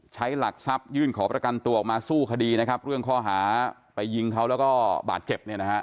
หลักทรัพยื่นขอประกันตัวออกมาสู้คดีนะครับเรื่องข้อหาไปยิงเขาแล้วก็บาดเจ็บเนี่ยนะฮะ